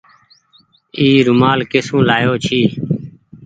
اي رومآل ڪي سون لآيو ڇي۔